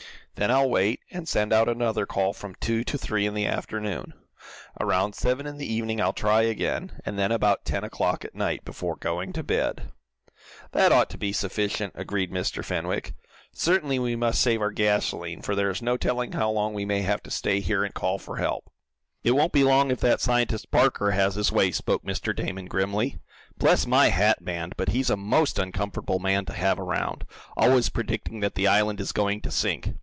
Then I'll wait, and send out another call from two to three in the afternoon. Around seven in the evening I'll try again, and then about ten o'clock at night, before going to bed." "That ought to be sufficient," agreed Mr. Fenwick. "Certainly we must save our gasolene, for there is no telling how long we may have to stay here, and call for help." "It won't be long if that scientist Parker has his way," spoke Mr. Damon, grimly. "Bless my hat band, but he's a MOST uncomfortable man to have around; always predicting that the island is going to sink!